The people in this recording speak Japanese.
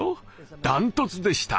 ダントツでした。